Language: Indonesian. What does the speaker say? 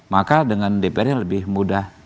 maka dengan dprd lebih mudah